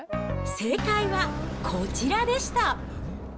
正解はこちらでした。